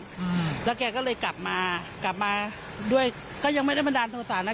อืมแล้วแกก็เลยกลับมากลับมาด้วยก็ยังไม่ได้บันดาลโทษะนะ